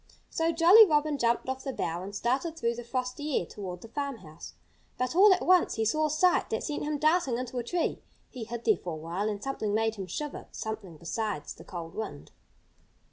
So Jolly Robin jumped off the bough and started through the frosty air toward the farmhouse. But all at once he saw a sight that sent him darting into a tree. He hid there for a while and something made him shiver something besides the cold wind.